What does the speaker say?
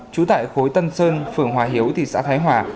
trú tại khối tân sơn phường hòa hiếu thị xã thái hòa